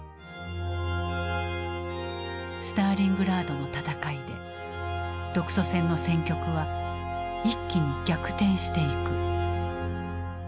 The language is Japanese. スターリングラードの戦いで独ソ戦の戦局は一気に逆転していく。